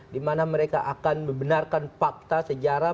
di mana mereka akan membenarkan fakta sejarah